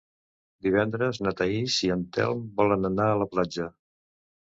Divendres na Thaís i en Telm volen anar a la platja.